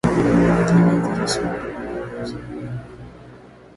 alianzisha shule ya kwanza ya sheria Alikuwa